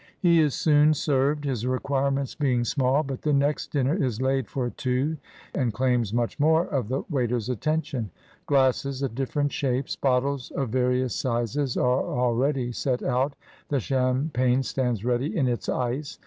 He is soon served, his requirements being small, but the next dinner is laid for two and claims much more of the waiter's attention. Glasses of diffierent shapes, bottles of various sizes are already set out, the champagne stands ready in its ice.